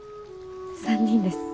３人です。